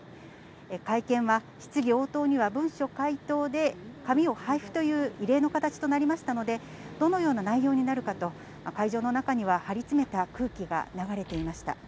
会見は、質疑応答には文書回答で紙を配布という異例の形となりましたので、どのような内容になるかと、会場の中には張り詰めた空気が流れていました。